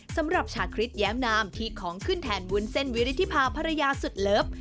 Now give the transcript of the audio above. สำหรับชาคริสแย้มนามที่ของขึ้นแทนวุ้นเส้นวิริธิภาพรยาสุดเลิฟ